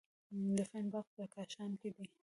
د فین باغ په کاشان کې دی.